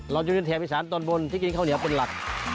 อยู่ในแถบอีสานตอนบนที่กินข้าวเหนียวเป็นหลัก